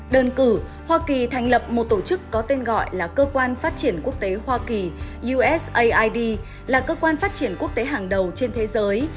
đơn cử hoa kỳ thành lập một tổ chức có tên gọi là cơ quan phát triển quốc tế hoa kỳ usaid là cơ quan phát triển quốc tế hàng đầu trên thế giới